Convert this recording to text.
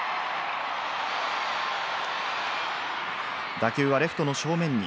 打球はレフトの正面に。